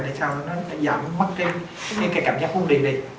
để sao nó giảm mất cái cảm giác không riêng đi